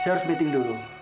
saya harus meeting dulu